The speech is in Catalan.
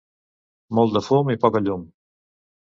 Molt de fum i poca llum.